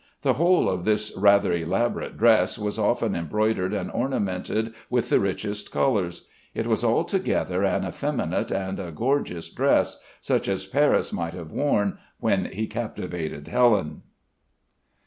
The whole of this rather elaborate dress was often embroidered and ornamented with the richest colors. It was altogether an effeminate and a gorgeous dress, such as Paris might have worn when he captivated Helen.